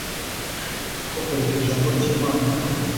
ko tureka ijambo ry Imana ngo